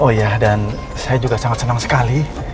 oh ya dan saya juga sangat senang sekali